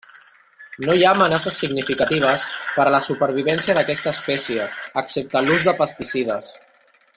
No hi ha amenaces significatives per a la supervivència d'aquesta espècie, excepte l'ús de pesticides.